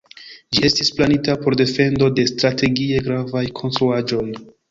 Ĝi estis planita por defendo de strategie gravaj konstruaĵoj.